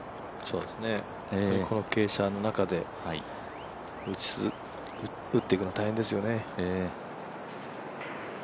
この傾斜の中で打っていくのは大変ですよね。